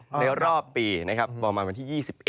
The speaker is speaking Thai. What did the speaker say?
ในรอบปีประมาณมันที่๒๑